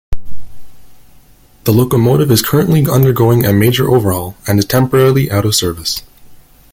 The locomotive is currently undergoing a major overhaul and is temporarily out of service.